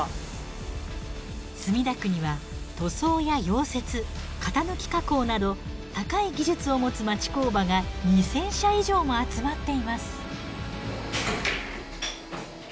墨田区には塗装や溶接型抜き加工など高い技術を持つ町工場が２，０００社以上も集まっています。